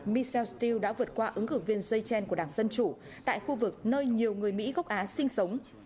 michelle steele đã vượt qua ứng cử viên jay chen của đảng dân chủ tại khu vực nơi nhiều người mỹ gốc á sinh sống